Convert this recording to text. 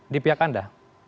di pihak anda